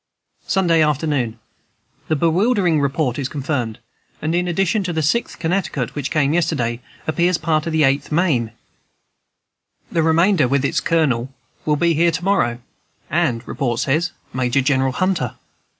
"Sunday Afternoon. "The bewildering report is confirmed; and in addition to the Sixth Connecticut, which came yesterday, appears part of the Eighth Maine. The remainder, with its colonel, will be here to morrow, and, report says, Major General Hunter.